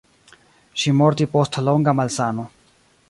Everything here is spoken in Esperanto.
Ŝi mortis post longa malsano.